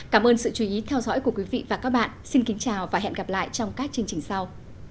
cảm ơn sự chú ý theo dõi của quý vị và các bạn xin kính chào và hẹn gặp lại trong các chương trình sau